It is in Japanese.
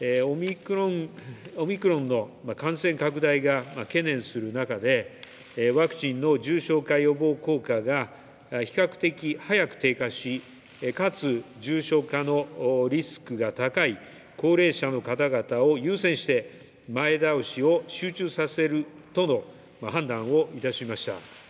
オミクロンの感染拡大が懸念する中で、ワクチンの重症化予防効果が比較的早く低下し、かつ重症化のリスクが高い高齢者の方々を優先して、前倒しを集中させるとの判断をいたしました。